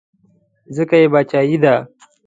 ځکه یې باچایي ده.